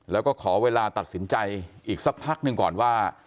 แล้วก็ขอเวลาตัดสินใจอีกสักพักหนึ่งก่อนว่า